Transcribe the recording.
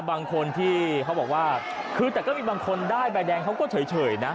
บางคนที่เขาบอกว่าคือแต่ก็มีบางคนได้ใบแดงเขาก็เฉยนะ